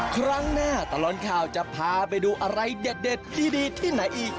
ครั้งหน้าตลอดข่าวจะพาไปดูอะไรเด็ดดีที่ไหนอีก